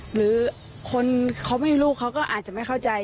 หรือคนเขาไม่รู้เขาก็อาจจะไม่เข้าใจ